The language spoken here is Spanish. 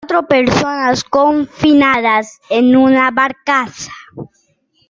cuatro personas confinadas en una barcaza...